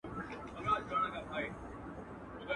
په هینداره کي د ځان په تماشا وه ..